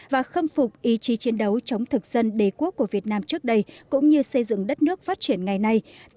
và khâm phục ý chí chiến đấu chống thực dân đế quốc của việt nam trước đây cũng như xây dựng đất nước phát triển ngày nay